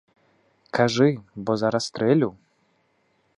Кажы, бо зараз стрэлю!